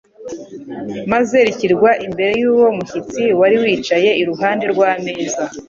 Maze rishyirwa imbere y'uwo mushyitsi wari wicaye iruhande rw'ameza.